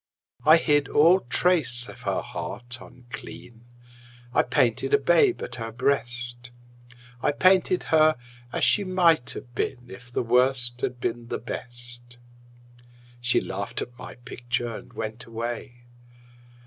I hid all trace of her heart unclean; I painted a babe at her breast; I painted her as she might have been If the Worst had been the Best. She laughed at my picture and went away.